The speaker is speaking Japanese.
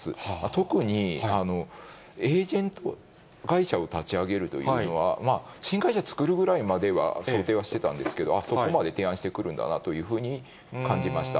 特に、エージェント会社を立ち上げるというのは、新会社を作るぐらいまでは想定はしてたんですけど、そこまで提案してくるんだなというふうに感じました。